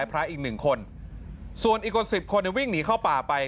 พระอีกหนึ่งคนส่วนอีกกว่าสิบคนวิ่งหนีเข้าป่าไป